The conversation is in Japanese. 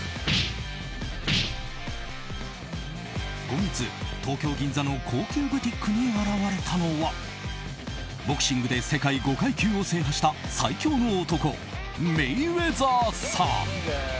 今月、東京・銀座の高級ブティックに現れたのはボクシングで世界５階級を制覇した最強の男、メイウェザー。